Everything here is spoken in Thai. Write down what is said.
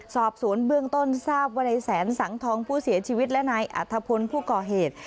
สอบสวนเบื้องต้นทราบว่าในแสนสังทองผู้เสียชีวิตและนายอัธพลผู้ก่อเหตุ